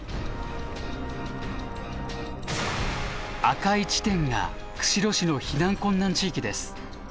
赤い地点が釧路市の避難困難地域です。